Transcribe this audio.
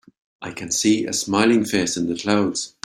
I can see a smiling face in the clouds.